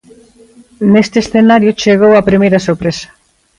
Neste escenario chegou a primeira sorpresa.